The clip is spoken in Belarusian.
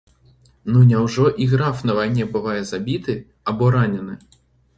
Ну няўжо і граф на вайне бывае забіты або ранены?